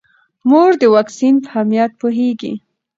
مور د واکسین په اهمیت پوهیږي.